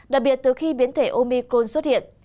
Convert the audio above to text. đặc biệt từ khi biến thể omicron xuất hiện